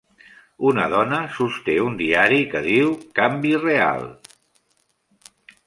Una dona sosté un diari que diu "Canvi real".